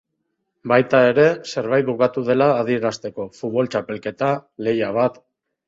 Baita ere zerbait bukatu dela adierazteko: futbol-txapelketa, lehia bat...